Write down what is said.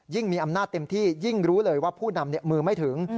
มีอำนาจเต็มที่ยิ่งรู้เลยว่าผู้นำมือไม่ถึง